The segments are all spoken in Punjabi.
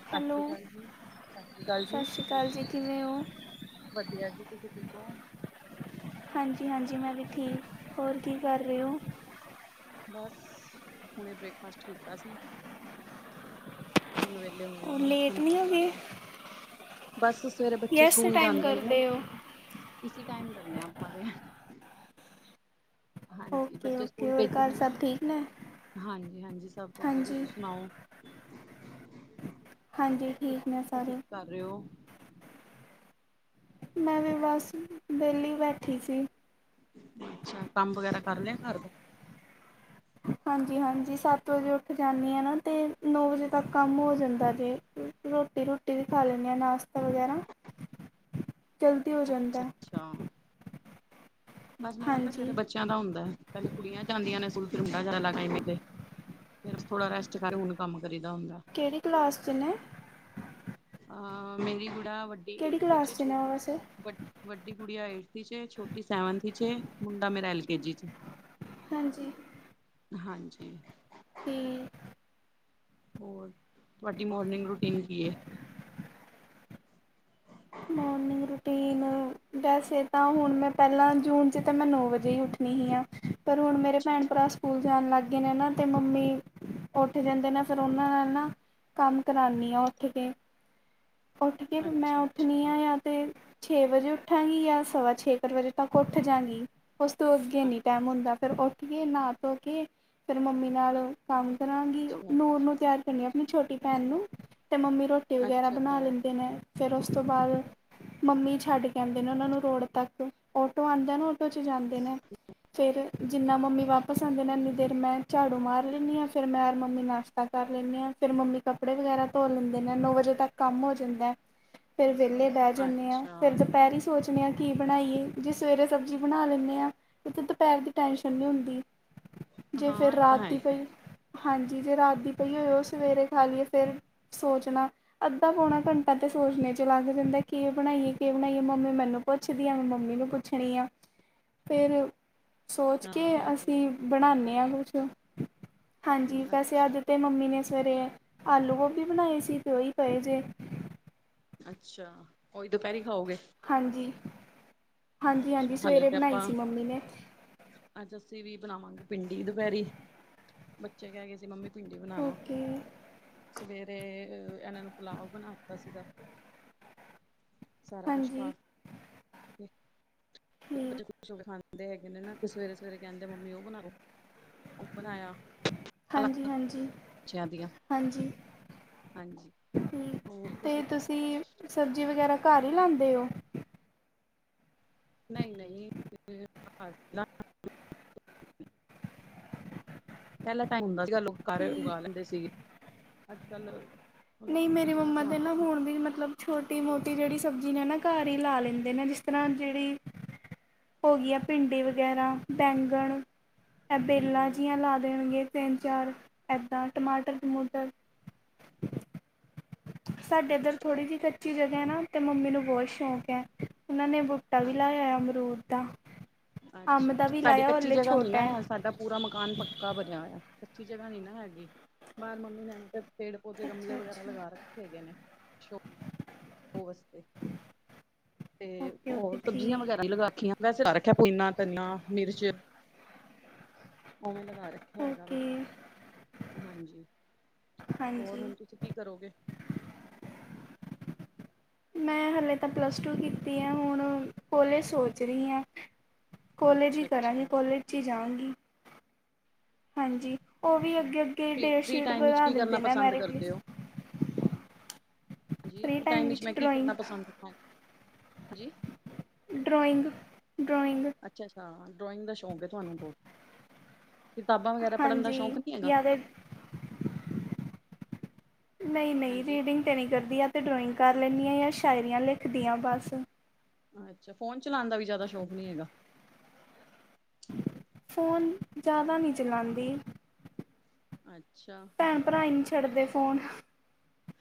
ਸਤਿ ਹੈਲੋ ਸ਼੍ਰੀ ਅਕਾਲ ਜੀ, ਸਤਿ ਸ਼੍ਰੀ ਅਕਾਲ ਸਤਿ ਜੀ। ਸ਼੍ਰੀ ਅਕਾਲ ਜੀ ਕਿਵੇਂ ਹੋ ਵਧੀਆ ਜੀ, ਤੁਸੀਂ ਠੀਕ ਹੋ? ਹਾਂਜੀ-ਹਾਂਜੀ ਮੈਂ ਵੀ ਠੀਕ, ਹੋਰ ਕੀ ਕਰ ਰਹੇ ਹੋ? ਬਸ ਹੁਣੇ ਬ੍ਰੇਕਫਾਸਟ ਕੀਤਾ ਸੀ। ਹੁਣ ਵਿਹਲੇ ਹੋਏ ਉਹ ਹਾਂ, ਲੇਟ ਹੁਣ ਨਹੀਂ ਹੋ ਘਰ ਦਾ ਗਏ ਕੰਮ। ਬਸ ਸਵੇਰੇ ਬੱਚੇ ਯੈਸ ਸਕੂਲ ਟਾਈਮ ਜਾਂਦੇ ਨੇ ਨਾ। ਕਰਦੇ ਹੋ ਇਸੇ ਟੈਮ ਕਰਨੇ ਆ ਆਪਾਂ ਦੇ। ਹਾਂਜੀ ਓਕੇ ਬੱਚੇ ਓਕੇ ਸਕੂਲ ਹੋਰ ਭੇਜ ਘਰ ਜਾਂਦੇ। ਸਭ ਠੀਕ ਨੇ ਹਾਂਜੀ-ਹਾਂਜੀ, ਸਭ ਵਧੀਆ ਹਾਂਜੀ ਤੁਸੀਂ ਸੁਣਾਓ। ਹਾਂਜੀ ਠੀਕ ਨੇ ਤੁਸੀਂ ਸਾਰੇ ਕੀ ਕਰ ਰਹੇ ਹੋ? ਮੈਂ ਵੀ ਬਸ ਵੇਲੀ ਬੈਠੀ ਸੀ। ਅੱਛਾ ਕੰਮ ਵਗੈਰਾ ਕਰ ਲਿਆ ਘਰ ਦਾ ਹਾਂਜੀ-ਹਾਂਜੀ ਸੱਤ ਵਜੇ ਉੱਠ ਜਾਂਦੀ ਹਾਂ ਨਾ ਤੇ ਨੌ ਵਜੇ ਤੱਕ ਕੰਮ ਹੋ ਜਾਂਦਾ ਜੇ। ਰੋਟੀ ਰੂਟੀ ਵੀ ਖਾ ਲੈਂਨੀ ਆ, ਨਾਸ਼ਤਾ ਵਗੈਰਾ [inaudible] ਜਲਦੀ ਹੋ ਜਾਂਦਾ ਐ। ਤਾਂ ਬਸ ਮੇਰਾ ਹਾਂਜੀ ਸਵੇਰੇ ਬੱਚਿਆਂ ਦਾ ਹੁੰਦਾ ਪਹਿਲੇ ਕੁੜੀਆਂ ਜਾਂਦੀਆਂ ਨੇੂ ਸਕੂਲ ਫਿਰ ਮੁੰਡਾ ਚਲਾ ਜਾਂਦਾ ਏ ਫੇਰ ਥੋੜਾ ਰੈਸਟ ਕਰ ਹੁਣ ਕੰਮ ਕਰੀ ਦਾ ਹੁੰਦਾ ਕਿਹੜੀ ਕਲਾਸ 'ਚ ਨੇ ਅਹ ਮੇਰੀ ਗੂੜਾ ਵੱਡੀ ਕਿਹੜੀ ਏਟਥ ਵਿੱਚ ਏ ਕਲਾਸ 'ਚ ਨੇ ਉਹ ਛੋਟੀ ਵੈਸੇ ਵ ਵੱਡੀ ਗੁੜੀਯਾ ਏਟਥ ਇਚ ਏ, ਛੋਟੀ ਸੈਵਨਥ ਇਚ ਏ ਮੁੰਡਾ ਮੇਰਾ ਐਲ ਕੇ ਜੀ 'ਚ ਐ ਹਾਂਜੀ ਹਾਂਜੀ। ਕਿ ਹੋਰ ਤੁਹਾਡੀ ਮੋਰਨਿੰਗ ਰੂਟੀਨ ਕੀ ਹੈ। ਮੋਰਨਿੰਗ ਰੁਟੀਨ ਵੈਸੇ ਤਾਂ ਹੁਣ ਮੈਂ ਪਹਿਲਾਂ ਜੂਨ 'ਚ ਤਾਂ ਮੈਂ ਨੌ ਵਜੇ ਹੀ ਉੱਠਣੀ ਹੀ ਹਾਂ। ਪਰ ਹੁਣ ਮੇਰੇ ਅੱਛਾ ਭੈਣ-ਭਰਾ। ਸਕੂਲ ਜਾਣ ਲੱਗ ਗਏ ਨੇ ਨਾ ਤੇ ਮੰਮੀ ਉੱਠ ਜਾਂਦੇ ਨੇ ਫਿਰ ਉਹਨਾਂ ਨਾਲ ਨਾ। ਕੰਮ ਕਰਾਨੀ ਆ ਉੱਠ ਕੇ। ਉੱਠ ਕੇ ਮੈਂ ਅੱਛਾ ਉੱਠਣੀ ਅੱਛਾ ਆ ਯਾ ਤੇ ਛੇ ਵਜੇ ਉੱਠ ਚ। ਉੱਠਾਂਗੀ ਯਾ ਸਵਾ ਛੇ ਕੁ ਵਜੇ ਤੱਕ ਉੱਠ ਜਾਂਗੀ ਉਸ ਤੋਂ ਅੱਗੇ ਅੱਛਾ ਇਨੀ ਟਾਈਮ ਹੁੰਦਾ। ਫਿਰ ਉੱਠ ਕੇ ਨਾਹ ਧੋ ਕੇ ਫਿਰ ਮੰਮੀ ਨਾਲ ਕੰਮ ਕਰਾਂਗੀ, ਅੱਛਾ ਨੂਰ ਨੂੰ ਤਿਆਰੀ। ਆਪਣੀ ਛੋਟੀ ਭੈਣ ਨੂੰ ਤੇ ਮੰਮੀ ਰੋਟੀ ਵਗੈਰਾ ਅੱਛਾ ਬਣਾ ਤਾਂ ਲੈਂਦੇ ਨੇ। ਫਿਰ ਉਸ ਤੋਂ ਬਾਅਦ ਮੰਮੀ ਛੱਡ ਕੇ। ਕਹਿੰਦੇ ਨੇ ਉਹਨਾਂ ਨੂੰ ਰੋਡ ਤੱਕ ਔਟੋ ਆਉਂਦਾ ਨਾ ਔਟੋ ਚ ਜਾਂਦੇ ਨੇ ਫਿਰ। ਜਿੰਨਾ ਮੰਮੀ ਵਾਪਸ ਆਉਂਦੇ ਨੇ ਇੰਨੀ ਦੇਰ ਮੈਂ ਝਾੜੂ ਮਾਰ ਲੈਂਦੀ ਹਾਂ ਫਿਰ ਮੈਂ ਔਰ ਮੰਮੀ ਨਾਸ਼ਤਾ - ਆਪਾ ਕਰ ਲੈਂਦੇ ਹਾਂ ਫਿਰ ਮੰਮੀ ਕੱਪੜੇ ਵਗੈਰਾ ਧੋ ਲੈਂਦੇ ਨੇ ਨੌ ਵਜੇ ਤੱਕ ਕੰਮ ਹੋ ਜਾਂਦਾ ਏ। ਹ [inaudible] ਫਿਰ ਵਿਹਲੇ ਬਹਿ ਜਾਂਣੇ ਆ ਫਿਰ। ਦੁਪਹਿਰ ਹੀ ਸੋਚਦੇ ਆ ਕੀ ਬਣਾਈਏ ਜੇ ਸਵੇਰੇ ਸਬਜ਼ੀ ਬਣਾ ਲੈਂਣੇ ਆ ਉੱਥੇ ਦੁਪਹਿਰ ਦੀ ਟੈਂਸ਼ਨ ਨਹੀਂ ਹੁੰਦੀ ਜੇ ਫਿਰ ਹਾਂ ਇਹ ਤਾਂ ਰਾਤ ਹੈ ਦੀ ਹੀ ਏ, ਕੋਈ। ਹਾਂਜੀ ਜੇ ਰਾਤ ਦੀ ਪਈ ਹੋਏ ਉਹ ਸਵੇਰੇ ਖਾ ਲਈਏ ਫੇਰ। ਸੋਚਣਾ ਅੱਧਾ ਪੌਣਾ ਘੰਟਾ ਤੇ ਸੋਚਣੇ ਚ ਲੱਗ ਜਾਂਦਾ ਕਿ ਬਣਾਈਏ ਕਿ। ਹੁਣਈ ਮੰਮੀ ਮੈਨੂੰ ਪੁੱਛਦੀ ਆ ਮੈਂ ਮੰਮੀ ਨੂੰ ਪੁੱਛਣੀ ਆ ਫੇਰ। ਸੋਚ ਕੇ ਹਾਂ ਅਸੀਂ ਬਣਾਨੇ ਆਂ ਕੁਛ। ਹਾਂਜੀ ਵੈਸੇ ਅੱਜ ਅੱਛਾ ਤੇ ਮੰਮੀ ਨੇ ਸਵੇਰੇ ਆਲੂ ਗੋਭੀ ਬਣਾਏ ਸੀ ਤੇ ਓਹੀ ਪਏ ਜੇ। ਅੱਛਾ ਓਈ ਦੁਪਹਿਰੀ ਖਾਓਗੇ। ਹਾਂਜੀ-ਹਾਂਜੀ-ਹਾਂਜੀ ਅੱਛਾ ਹਲੇ ਸਵੇਰੇ ਤੇ ਬਣਾਈ ਆਪਾਂ ਸੀ ਮੰਮੀ ਨੇ। ਅੱਜ ਅਸੀਂ ਵੀ ਬਣਾਵਾਂਗੇ ਪਿੰਡੀ ਦੁਪਹਿਰੀ ਬੱਚੇ ਕਹਿ ਗਏ ਸੀ ਮੰਮੀ। ਭਿੰਡੀ ਬਣਾਣਾ, ਓਕੇ ਸਵੇਰੇ ਇਹਨਾਂ ਨੂੰ ਪੁੁਲਾਵ ਬਣਾ ਦਿੱਤਾ ਸੀਗਾ। ਸਾਰਾ ਕੁਛ ਹਾਂਜੀ ਪਾਕੇ ਠੀਕ ਛ ਖਾਂਦੇ ਹੈਗੇ ਨੇ ਨਾ ਸਵੇਰੇ ਸਵੇਰੇ ਕਹਿੰਦੇ ਮੰਮੀ ਉਹ ਬਣਾ ਦੋ ਉਹ ਬਣਾਇਆ। ਅਲੱਗ ਬੱਚਿਆਂ ਦੀਆਂ ਹਾਂਜੀ-ਹਾਂਜੀ-ਹਾਂਜੀ। ਹਾਂਜੀ ਹੂ ਤੇ ਤੁਸੀਂ ਸਬਜ਼ੀ ਵਗੈਰਾ ਘਰ ਹੀ ਲਾਂਦੇ ਹੋ। ਨਹੀਂ-ਨਹੀਂ। ਪਹਿਲਾਂ ਟਾਈਮ ਹੁੰਦਾ ਸੀਗਾ ਲੋਕ ਘਰ ਉਗਾ ਲੈਂਦੇ ਸੀਗੇ ਅੱਜ ਕੱਲ। ਉਹਨਾਂ ਨਹੀਂ ਮੇਰੀ ਚੀਜ਼ਾਂ ਦਾ ਮੰਮਾ ਧਿਆਨ ਤੇ ਨਾ ਰੱਖਣਾ ਹੁਣ ਵੀ ਮਤਲਬ। ਛੋਟੀ ਮੋਟੀ ਜਿਹੜੀ ਸਬਜ਼ੀ ਨੇ ਨਾ ਘਰ ਹੀ ਲਾ ਲੈਂਦੇ ਨੇ ਜਿਸ ਤਰ੍ਹਾਂ ਜਿਹੜੀ। ਹੋ ਗਈ ਆ ਭਿੰਡੀ ਵਗੈਰਾ ਬੈਂਗਣ ਐ ਬੇਲਾਂ ਹੂੰ ਜਿਹੀਆਂ ਲਾ ਦੇਣਗੇ। ਤਿੰਨ ਚਾਰ ਇੱਦਾਂ ਟਮਾਟਰ ਟਮੂਟਰ। ਸਾਡੇ ਇੱਧਰ ਅੱਛਾ ਥੋੜ੍ਹੀ ਜਿਹੀ ਕੱਚੀ ਜਗਾ ਹੈ ਨਾ, ਤੇ ਮੰਮੀ ਨੂੰ ਬਹੁਤ ਸ਼ੌਕ ਹੈ। ਉਹਨਾਂ ਨੇ ਬੂਟਾ ਵੀ ਲਾਇਆ ਆ, ਅਮਰੂਦ ਦਾ। ਅੰਬ ਅੱਛਾ- ਦਾ ਅੱਛਾ ਵੀ ਸਾਡੀ ਲਾਇਆ ਉਹ ਕੱਚੀ ਹਲੇ ਜਗ੍ਹਾ ਨੀ ਛੋਟਾ ਹੈ ਨਾ, ਸਾਡਾ। ਪੂਰਾ ਮਕਾਨ ਪੱਕਾ ਬਣਿਆ ਹੋਇਆ, ਕੱਚੀ ਜਗ੍ਹਾ ਨੀ ਨਾ ਹੈਗੀ, ਬਾਹਰ ਮੰਮੀ ਨੇ ਤੇ। ਪੇੜ ਪੌਦੇ ਅੱਛਾ ਗਮਲੇ ਵਗੈਰਾ ਲਗਾ ਅੱਛਾ ਰੱਖੇ ਹੈਗੇ ਨੇ। ਉਹ ਵਾਸਤੇ, ਤੇ ਓਕੇ ਓਕੇ ਉਹ ਸਬਜ਼ੀਆਂ ਵਗੈਰਾ ਠੀਕ ਲਗਾ ਰਖੀਆਂ। ਵੈਸੇ ਤਾਂ ਲਗਾ ਰੱਖਿਆ, ਪਨਾ ਧਨੀਆ ਮਿਰਚ। ਲਗਾ ਰੱਖਿਆ ਹੈਗਾ ਵੇ, ਓਕੇ ਹਾਂਜੀ, ਹੋਰ ਹਾਂਜੀ ਹੁਣ ਤੁਸੀਂ ਕੀ ਕਰੋਗੇ। ਮੈਂ ਹਾਲੇ ਤਾਂ ਪਲੱਸ ਟੂ ਕੀਤੀ ਹੈ ਹੁਣ, ਕੋਲੇ ਸੋਚ ਰਹੀ ਆਂ। ਕੋਲੇਜ ਹੀ ਅੱਛਾ ਕਰਾਂਗੀ, ਅੱਛਾ ਕੋਲੇਜ 'ਚ ਹੀ ਜਾਵਾਂਗੀ। ਹਾਂਜੀ, ਉਹ ਵੀ ਅੱਛਾ ਅੱਗੇ- ਅੱਗੇ ਫਰੀ ਫਰੀ ਡੇਟਸ਼ੀਟ ਟਾਈਮ ਵਿੱਚ ਵਧਾ ਕੀ ਕਰਨਾ ਦਿੰਦੇ ਨੇ ਪਸੰਦ ਮੈਰੀ ਕਰਦੇ ਪਿਲੀਸ। ਹੋ ਹਾਂਜੀ, ਤੇ ਟਾਈਮ ਵਿੱਚ ਮੈਂ ਕੀ ਕਰਨਾ ਪਸੰਦ, ਹਾਂਜੀ। ਡਰਾਇੰਗ, ਡਰਾਇੰਗ, ਅੱਛਾ -ਅੱਛਾ ਡਰੋਇੰਗ ਦਾ ਸ਼ੌਂਕ ਹੈ ਤੁਹਾਨੂੰ ਬਹੁਤ, ਕਿਤਾਬਾਂ ਵਗੈਰਾ ਪੜ੍ਹਨ ਦਾ ਹਾਂਜੀ ਸ਼ੌਂਕ ਨਹੀਂ ਹੈਗਾ ਜਾਂ ਤਾਂ ਨਹੀਂ- ਨਹੀਂ ਹਾਂਜੀ ਰੀਡਿੰਗ ਤਾਂ ਨਹੀਂ ਕਰਦੀ ਆ, ਜਾਂ ਡਰੋਇੰਗ ਕਰ ਲੈਂਦੀ ਹਾਂ, ਜਾਂ ਸ਼ਾਇਰੀਆਂ ਲਿਖਦੀਆਂ ਬਸ, ਅੱਛਾ, ਫੋਨ ਚਲਾਉਣ ਦਾ ਵੀ ਜ਼ਿਆਦਾ ਸ਼ੌਕ ਨੀ ਹੈਗਾ, ਫੋਨ, ਜ਼ਿਆਦਾ ਨਹੀਂ ਚਲਾਉਦੀ, ਅੱਛਾ, ਭੈਣ- ਭਰਾ ਹੀ ਨਹੀਂ ਛੱਡਦੇ ਫੋਨ,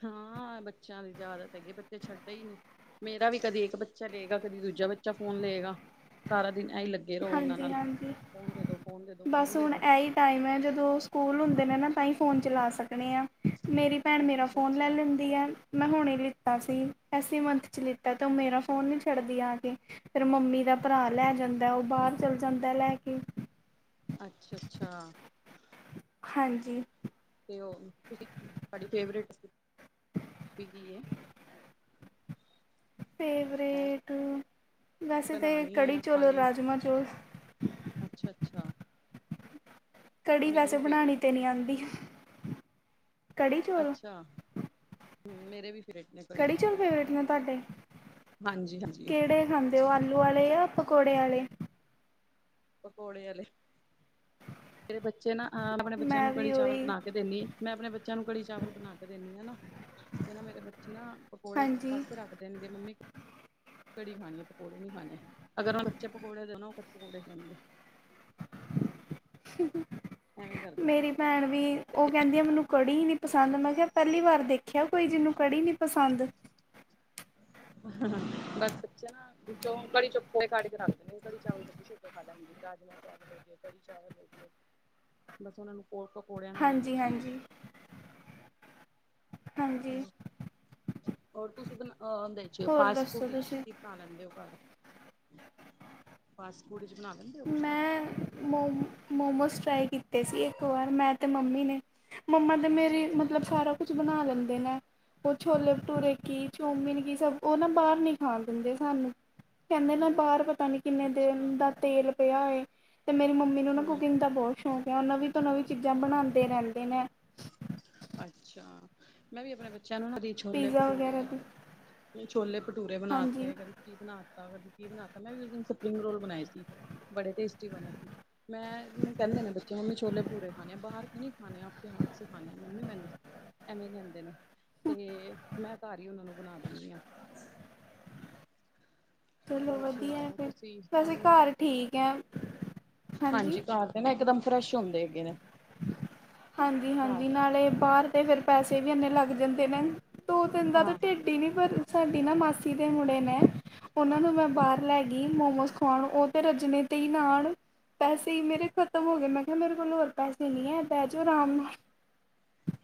ਹਾਂ ਬੱਚਿਆਂ ਦੀ ਤਾਂ ਆਦਤ ਹੈਗੀ ਏ, ਬੱਚੇ ਛੱਡਦੇ ਹੀ ਨੀ, ਮੇਰਾ ਵੀ ਕਦੀ ਇੱਕ ਬੱਚਾ ਲਏਗਾ, ਕਦੀ ਦੂਜਾ ਬੱਚਾ ਫੋਨ ਲਏਗਾ, ਸਾਰਾ ਦਿਨ ਇਹੀ ਲੱਗਾ ਲਗੇ ਰਹੋ ਉਹਨਾਂ ਹਾਂਜੀ ਨਾਲ, ਹਾਂਜੀ ਫੋਨ ਦੇ ਦੋ, ਫੋਨ ਦੇ ਦੋ, ਫੋਨ ਬਸ ਦੇ ਹੁਣ ਦੋ, ਇਹੀ ਟਾਈਮ ਹੈ ਜਦੋਂ ਸਕੂਲ ਹੁੰਦੇ ਨੇ ਨਾ, ਤਾਂ ਹੀ ਫੋਨ ਚਲਾ ਸਕਦੇ ਹਾਂ ਮੇਰੀ, ਭੈਣ ਮੇਰਾ ਅੱਛਾ ਫੋਨ ਲੈ ਅੱਛਾ ਲੈਂਦੀ ਹੈ, ਮੈਂ ਹੁਣੇ ਲਿੱਤਾ ਸੀ, ਐਸੀ ਮੰਥ 'ਚ ਲਿੱਤਾ ਤੇ ਉਹ ਮੇਰਾ ਫੋਨ ਨਹੀਂ ਛੱਡਦੀਆਂ ਆ ਕੇ, ਫਿਰ ਮੰਮੀ ਦਾ ਭਰਾ ਲੈ ਜਾਂਦਾ, ਉਹ ਬਾਹਰ ਚੱਲ ਜਾਂਦਾ ਲੈ ਕੇ, ਅੱਛਾ- ਅੱਛਾ ਹਾਂਜੀ ਤੇ ਉਹ, ਤੁਸੀਂ, ਤੁਹਾਡੀ ਫੇਵਰੇਟੀ ਹੋਬੀ ਕੀ ਹੈ, ਹੈ ਫੇਵਰੇਟ, ਵੈਸੇ ਤਾਂ ਬਣਾਣੀ ਕੜ੍ਹੀ ਜਾਂ ਚੌਲ, ਖਾਣੀ ਰਾਜਮਹ ਚੌਲ, ਅੱਛਾ -ਅੱਛਾ, ਕੜੀ ਮੇਰੇ ਵੈਸੇ ਵੀ ਬਣਾਉਣੀ ਫੇਵਰੇਟ ਤੇ ਨਹੀਂ ਆਉਂਦੀ, ਕੜੀ ਚੌਲ ਅੱਛਾ, ਹ ਮੇਰੇ ਵੀ, ਫੇਵਰੇਟ ਨੇ ਕੜੀ ਚੌਲ ਚਾਵਲ ਫੇਵਰੇਟ ਨੇ ਤੁਹਾਡੇ, ਹਾਂਜੀ ਹਾਂਜੀ ਕਿਹੜੇ ਹਾਂਜੀ, ਤੇ ਉਹ ਆਲੂ ਵਾਲੇ, ਪਕੌੜੇ ਵਾਲੇ, ਪਕੌੜੇ ਵਾਲੇ, ਤੇਰੇ ਬੱਚੇ ਨਾ ਹ ਆਪਣੇ ਬੱਚਿਆਂ ਮੈਂ ਨੂੰ ਵੀ ਕੜੀ ਚਾਵਲ ਉਹੀ ਬਣਾ ਕੇ ਦਿੰਦੀ ਹ, ਮੈਂ ਆਪਣੇ ਬੱਚਿਆਂ ਨੂੰ ਕੜੀ ਚਾਵਲ ਬਣਾ ਕੇ ਦਿੰਦੀ ਆ ਨਾ ਕਹਿੰਦੇ ਮੇਰੇ ਬੱਚੇ ਨਾ ਪਕੌੜੇ ਇੱਕ ਹਾਂਜੀ ਪਾਸੇ ਰੱਖਦੇ ਨੇਗੇ ਮੰਮੀ ਘੜੀ ਖਾਣੀ ਹੈ, ਪਕੌੜੇ ਨੀ ਖਾਣੇ, ਅਗਰ ਉਹ ਬੱਚੇ ਪਕੌੜੇ ਦੇ ਦੋ ਉਹ ਪਕੌੜੇ ਖਾਣਗੇ ਐਵੇਂ ਕਰਦੇ ਮੇਰੀ ਭੈਣ ਵੀ, ਉਹ ਕਹਿੰਦੀ ਆ, ਮੈਨੂੰ ਕੜੀ ਹੀ ਨੀ ਪਸੰਦ, ਮੈਂ ਕਿਹਾ ਪਹਿਲੀ ਵਾਰ ਦੇਖਿਆ ਕੋਈ ਜਿਹਨੂੰ ਕੜੀ ਨੀ ਪਸੰਦ ਹ ਬਸ ਬੱਚਾ ਨਾ ਵਿੱਚੋਂ ਕੜੀ 'ਚੋ ਪਕੌੜੇ ਕਢ ਕੇ ਰੱਖ ਦਿੰਦੇ, ਕੜੀ ਚਾਵਲ ਤੇ ਕੁਛ ਹੋ ਕੇ ਖਾ ਲੈਂਦੇ। ਰਾਜਮਾਂ ਚਾਵਲ ਹੋ ਗਏ, ਕੜੀ ਚਾਵਲ ਹੋ ਗਏ ਬਸ ਉਹਨਾਂ ਨੂੰ ਕੋ ਪਕੌੜਿਆਂ ਨਾਲ ਹਾਂਜੀ ਐਲਰਜੀ ਹਾਂਜੀ ਹਾਂਜੀ ਹੋਰ, ਤੁਸੀਂਹ ਹੋ ਹੋਰ ਫਾਸਟ ਫੂਡ ਦੱਸੋ ਵਿੱਚ ਤੁਸੀਂ ਬਣਾ ਲੈਂਦੇ ਹੋ ਘਰ, ਫਾਸ ਫੂਡ 'ਚ ਬਣਾ ਲੈਂਦੇ ਹੋ ਕੁਛ ਘਰ ਮੋਮ ਮੋਮੋਸ ਟਰਾਈ ਕੀਤੇ ਸੀ ਇੱਕ ਵਾਰ ਮੈਂ ਤੇ ਮੰਮੀ ਨੇ ਮੰਮਾ ਤੇ ਅੱਛਾ ਮੇਰੇ ਅੱਛਾ ਮਤਲਬ ਸਾਰਾ ਕੁਛ ਬਣਾ ਲੈਂਦੇ ਨੇ ਓ ਛੋਲੇ ਅੱਛਾ ਭਟੂਰੇ ਕੀ ਚੌਮਿਨ ਕੀ ਸਭ ਉਹ ਨਾ ਬਾਰ ਨੀ ਖਾ ਦਿੰਦੇ ਸਾਨੂੰ ਕੈਂਦੇ ਨੇ ਬਾਰ ਪਤਾ ਨੀ ਕਿੰਨੇ ਅੱਛਾ ਦਿਨ ਦਾ ਤੇਲ ਪਿਆ ਹੋਏ ਤੇ ਮੇਰੀ ਮੰਮੀ ਨੂੰ ਨਾ ਹੂੰ ਕੁਕਿੰਗ ਦਾ ਬੋਤ ਨਵੀਂ ਤੋਂ ਨਵੀਂ ਚੀਜ਼ਾਂ ਬਣਾਂਦੇ ਰੈਂਦੇ ਨੇ। ਅੱਛਾ ਮੈਂ ਵੀ ਆਪਣੇ ਬੱਚਿਆਂ ਨੂੰ ਦੀ ਛੋਲੇ ਪੀਜ਼ਾ ਵਗੈਰਾ ਭਟੂਰੇ ਵੀ ਛੋਲੇ ਭਟੂਰੇ ਹਾਂਜੀ ਬਣਾਤੇ ਕਦੀ ਕੀ ਬਣਾ ਤਾ ਕਦੀ ਬਣਾ ਤਾ ਮੈਂ ਵੀ ਉਸ ਦਿਨ ਸਪਰਿੰਗ ਰੋਲ ਬਣਾਏ ਸੀ ਬੜੇ ਟੇਸਟੀ ਬਣੇ ਸੀ। ਮੈਂ ਕੈਂਦੇ ਨੇ ਬੱਚੇ ਮੰਮੀ ਛੋਲੇ ਭਟੂਰੇ ਖਾਣੇ ਆ ਬਾਰ ਕਿ ਨ ਨਈ ਖਾਣੇ ਆ। ਆਪ ਕੇ ਹੱਥ ਸੇ ਖਾਣੇ ਆ ਮੰਮੀ ਮੈਨੇ ਐਵੇਂ ਕਹਿੰਦੇ ਨੇ ਤੇ ਮੈਂ ਘਰ ਹੀ ਉਹਨਾਂ ਨੂੰ ਬਣਾ ਦੇਣੀ ਆਂ। ਚਲੋ ਹੋਰ ਵਧੀਆ ਸੁਣਾਓ ਫਿਰ ਤੁਸੀਂ ਵੈਸੇ ਤੁਹਾਨੂੰ ਘਰ ਠੀਕ ਆ। ਹਾਂਜੀ ਘਰ ਦੇ ਨਾ ਇਕਦਮ ਫਰੈਸ਼ ਹੁੰਦੇ ਹੈਗੇ ਨੇ। ਘਰ ਹਾਂਜੀ-ਹਾਂਜੀ ਨਾਲੇ ਬਾਰ ਤੇ ਫਿਰ ਪੈਸੇ ਵੀ ਇੰਨੇ ਲੱਗ ਜਾਂਦੇ ਨੇ। ਦੋ ਤਿੰਨ ਦਾ ਤਾਂ ਹਾਂ ਹਾਂ ਢਿੱਡ ਹੀ ਨੀ ਪਰ ਸਾਡੀ ਨਾ ਮਾਸੀ ਦੇ ਮੁੜੇ ਨੇ। ਉਹਨਾਂ ਤੋਂ ਮੈਂ ਹਾਂ, ਬਾਹਰ ਲੈ ਗਈ ਮੋਮੋਸ ਖਾਣ ਓ ਤੇ ਰੱਜਣੇੇ ਤੇ ਹੀ ਆਣ ਪੈਸੇ ਈ ਮੇਰੇ ਖ਼ਤਮ ਹੋ ਗਏ ਮੈਂ ਕਿਆ ਮੇਰੇ ਕੋਲ ਹੋ ਪੈਸੇ ਨਈ ਹੈ ਬੈ ਜੋ ਆਰਾਮ ਨਾਲ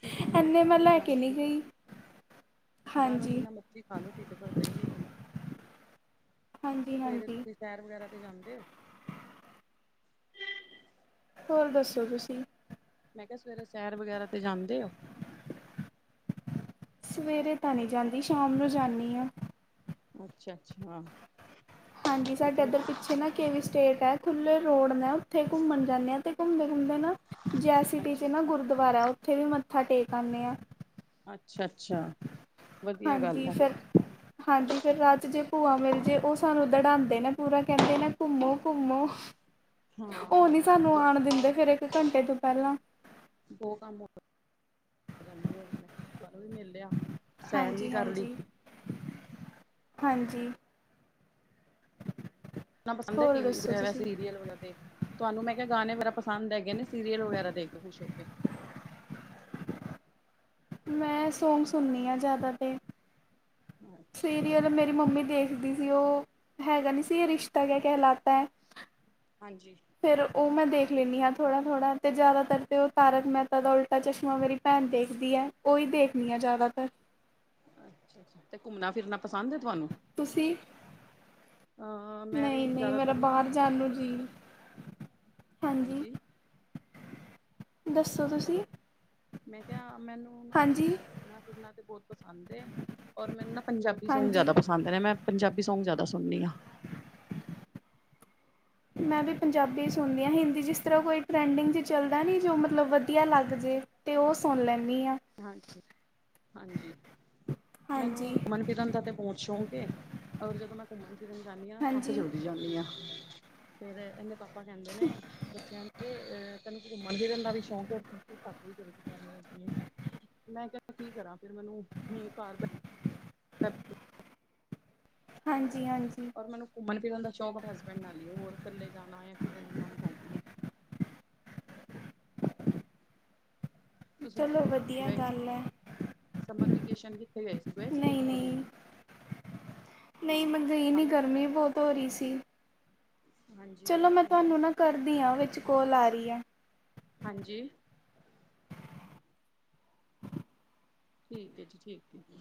ਢਿੱਡ ਨੀ ਇੰਨੇ ਭਰਦਾ ਮੈਂ ਲੈ ਜਿੰਨਾ ਕੇ ਨਹੀਂ ਮਰਜ਼ੀ ਖਾ ਗਈ ਲੋ ਬਾਹਰੋਂ ਹਾਂਜੀ ਜਿੰਨਾ ਮਰਜ਼ੀ ਖਾ ਲੋ ਢਿੱਡ ਭਰਦਾ ਹੀ ਨਈ ਹੈਗਾ ਹਾਂਜੀ ਸਵੇਰੇ ਹਾਂਜੀ ਸੈਰ ਵਗੈਰਾ ਤੇ ਜਾਂਦੇ ਹੋ। ਹੋਰ ਦੱਸੋ ਤੁਸੀਂ ਮੈਂ ਕਿਆ ਸਵੇਰੇ ਸੈਰ ਵਗੈਰਾ ਤੇ ਜਾਂਦੇ ਹੋ। ਸਵੇਰੇ ਤਾਂ ਨਹੀਂ ਜਾਂਦੀ ਸ਼ਾਮ ਨੂੰ ਜਾਂਣੀ ਆਂ। ਅੱਛਾ-ਅੱਛਾ ਹਾਂਜੀ ਸਾਡੇ ਇੱਧਰ ਪਿੱਛੇ ਨਾ ਕਿ ਵੀ ਸਟੇਟ ਐ। ਖੁੱਲੇ ਰੋਡ ਨੇ ਉੱਥੇ ਘੁੰਮਣ ਜਾਂਣੇ ਆ ਤੇ ਘੁੰਮਦੇ ਘੁੰਮਦੇ ਨਾ ਜੈ ਸਿਟੀ 'ਚ ਅੱਛਾ ਨਾ ਅੱਛਾ ਗੁਰ ਦੁਵਾਰਾ ਉੱਥੇ ਵੀ ਮੱਥਾ ਟੇਕ ਆਣੇ ਆਂ। ਅੱਛਾ-ਅੱਛਾ ਹਾਂਜੀ ਫਿਰ ਹਾਂਜੀ ਫਿਰ ਰਾ ਜੇ ਭੂਆ ਮਿਲ ਜੇ ਉਹ ਸਾਨੂੰ ਦੜਾਂਦੇ ਨਾ ਪੂਰਾ ਕੈਂਦੇ ਨਾ ਘੁੰਮੋ- ਘੁੰਮੋ ਓ ਹਾਂ ਨੀ ਸਾਨੂੰ ਦੋ ਆਣ ਦਿੰਦੇ ਫਿਰ ਇੱਕ ਘੰਟੇ ਤੋਂ ਪੈਲਾਂ ਬਹੁ ਕੰਮ ਹੋਗੇ ਜਾਂਦੇ ਆ ਬਾਹਰੋਂ ਵੀ ਮਿਲ ਲਿਆ। ਸੈਰ ਹਾਂਜੀ-ਹਾਂਜੀ ਵੀ ਕਰ ਲਈ ਹਾਂਜੀ ਏਨਾ ਪਸੰਦ ਹੈ ਹੋਰ ਟੀ ਦੱਸੋ ਤੁਸੀਂ ਸੀਰੀਅਲ ਵਗੈਰਾ ਤੇ ਤੁਹਾਨੂੰ ਮੈਂ ਕਿਆ ਗਾਣੇ ਬੇਰਾ ਪਸੰਦ ਹੈਗੇ ਨੇ ਸੀਰੀਅਲ ਵਗੈਰਾ ਦੇਖਦੇ ਖੁਸ਼ ਹੋ ਕੇ ਮੈਂ ਸੌਂਗ ਸੁਣਦੀ ਹਾਂ ਜਾਦਾ ਤੇ ਅੱਛਾ ਸੀਰੀਅਲ ਮੇਰੀ ਮੰਮੀ ਦੇਖਦੀ ਸੀ ਉਹ ਹੈਗਾ ਨਈ ਸੀ ਰਿਸ਼ਤਾ ਕ ਕਹਿਲਾਤਾ। ਹਾਂਜੀ ਫਿਰ ਉਹ ਮੈਂ ਦੇਖ ਲੈਂਦੀ ਹਾਂ ਥੋੜਾ-ਥੋੜ੍ਹਾ ਤੇ ਜ਼ਿਆਦਾਤਰ ਤੇ ਉਹ ਤਾਰਕ ਮਹਿਤਾ ਦਾ ਉਲਟਾ ਚਸ਼ਮਾ ਮੇਰੀ ਭੈਣ ਦੇਖਦੀ ਹੈ ਉਹੀ ਦੇਖਦੀ ਆ ਜ਼ਿਆਦਾਤਰ ਅੱਛਾ ਅੱਛਾ ਤੇ ਘੁੰਮਣਾ ਫਿਰਨਾ ਪਸੰਦ ਹੈ ਤੁਹਾਨੂੰ ਤੁਸੀਂ ਅ ਮੈਂ ਨਹੀਂ ਵੀ ਨਹੀਂ ਮੇਰਾ ਜ਼ਿਆਦਾਤਰ ਨਾ ਬਾਹਰ ਜਾਣ ਨੂੰ ਜੀਅ ਹਾਂਜੀ ਦੱਸੋ ਤੁਸੀਂ ਹੈਲੋ, ਮੈਂ ਕਿਹਾ ਮੈਨੂੰ ਨਾ ਹਾਂਜੀ ਘੁੰਮਣਾ ਫਿਰਨਾ ਤੇ ਬਹੁਤ ਪਸੰਦ ਏ ਔਰ ਮੈਨੂੰ ਨਾ ਪੰਜਾਬੀ ਸੌਂਗ ਹਾਂਜੀ ਜ਼ਿਆਦਾ ਪਸੰਦ। ਪਸੰਦ ਮੈਂ ਪੰਜਾਬੀ ਸੌਗ ਜ਼ਿਆਦਾ ਸੁਣਨੀ ਹਾਂ। ਮੈਂ ਤੇ ਪੰਜਾਬੀ ਸੁਣਦੀ ਹਾਂ ਹਿੰਦੀ ਜਿਸ ਤਰ੍ਹਾਂ ਕੋਈ ਟਰੈਂਡਿੰਗ 'ਚ ਚੱਲਦਾ ਨਹੀਂ ਜੋ ਮਤਲਬ ਵਧੀਆ ਲੱਗ ਜੇ। ਤੇ ਉਹ ਸੁਣ ਲੈਂਦੀ ਹਾਂ। ਹਾਂਜੀ, ਹਾਂਜੀ ਹਾਂਜੀ ਮੈਨੂੰ ਮਨ ਕੀਰਨ ਦਾ ਤਾਂ ਬਹੁਤ ਸ਼ੌਂਕ ਏ। ਔਰ ਜਦੋਂ ਮੈਂ ਘੁੰਮਣ ਫਿਰਨ ਜਾਂਦੀ ਹਾਂ ਨਾ ਥੱਕ ਹਾਂਜੀ ਜਲਦੀ ਜਾਂਦੀ ਹਾਂ ਫੇਰ ਇਹਨੇ ਪਾਸੇ ਆਪਾ ਕਹਿੰਦੇ ਨੇ ਬੱਚਿਆਂ ਦੇ ਅਹ ਤੈਨੂੰ ਘੁੰਮਣ ਫਿਰਨ ਦਾ ਵੀ ਸ਼ੌਂਕ ਹੈ ਤੂੰ ਥਕ ਵੀ ਜਲਦੀ ਜਾਂਦੇ ਹੈ। ਮੈਂ ਕਿਹਾ ਕੀ ਕਰਾਂ ਫੇਰ ਮੈਨੂੰ ਹੁਣ ਘਰ ਬ ਸੱ ਹਾਂਜੀ, ਹਾਂਜੀ। ਮੈਨੂੰ ਘੁੰਮਣ ਫਿਰਨ ਦਾ ਸ਼ੌਕ ਆਪਣੇ ਹਸਬੈਂਡ ਨਾਲ ਹੀ ਹੈ ਹੋਰ ਇਕੱਲੇ ਜਾਣਾ ਕਿਸੇ ਨਾਲ ਜਾਣਾ ਸ਼ੌਕ ਨੀ ਹੈ। ਤੁਸੀਂ ਚਲੋ ਵਧੀਆ ਗਏ ਸੀ ਗੱਲ ਹੈ ਸਮਰ ਵੇਕੇਸ਼ਨ ਕਿੱਥੇ ਗਏ ਸੀ ਗਏ ਸੀਗੇ ਨਹੀਂ ਕਿਥੇ ਨਹੀਂ ਘੁੰਮਣ? ਨਹੀਂ ਮੈਂ ਗਈ ਨੀ ਗਰਮੀ ਬਹੁਤ ਹੋ ਰਹੀ ਸੀ। ਹਾਂਜੀ ਚਲੋ ਗਰਮੀ ਮੈਂ ਤੇ ਹੈ ਹੀ। ਤੁਹਾਨੂੰ ਨਾ ਕਰਦੀ ਹਾਂ ਉਹ ਵਿੱਚ ਕੋਲ ਆ ਰਹੀ ਹੈ। ਹਾਂਜੀ ਠੀਕ ਹੈ ਜੀ ਠੀਕ ਹੈ।